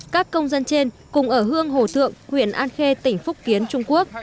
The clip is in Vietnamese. các công dân trên cùng ở hương hồ tượng huyện an khê tỉnh phúc kiến trung quốc